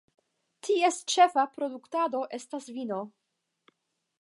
Ties ĉefa produktado estas vino.